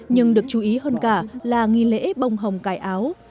nhưng được chú ý hơn cả là nghi lễ bông hồng cài áo